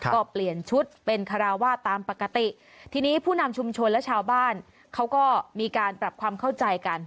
ก็เปลี่ยนชุดเป็นคาราวาสตามปกติทีนี้ผู้นำชุมชนและชาวบ้านเขาก็มีการปรับความเข้าใจกัน